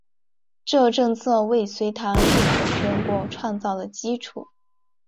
这政策为隋唐一统全国创造了基础。